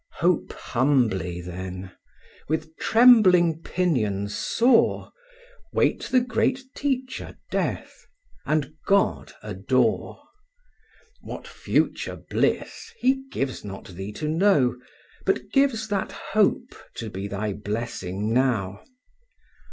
Hope humbly, then; with trembling pinions soar; Wait the great teacher Death; and God adore. What future bliss, He gives not thee to know, But gives that hope to be thy blessing now.